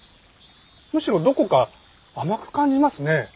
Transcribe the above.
むしろどこか甘く感じますね。